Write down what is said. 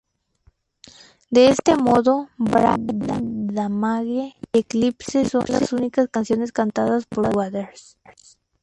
De este modo, Brain Damage y Eclipse son las únicas canciones cantadas por Waters.